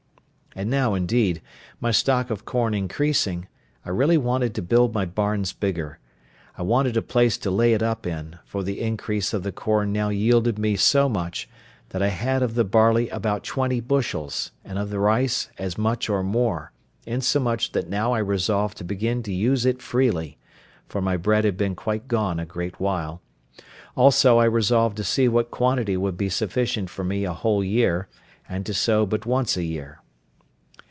And now, indeed, my stock of corn increasing, I really wanted to build my barns bigger; I wanted a place to lay it up in, for the increase of the corn now yielded me so much, that I had of the barley about twenty bushels, and of the rice as much or more; insomuch that now I resolved to begin to use it freely; for my bread had been quite gone a great while; also I resolved to see what quantity would be sufficient for me a whole year, and to sow but once a year.